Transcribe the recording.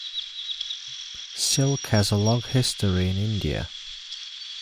Silk has a long history in India.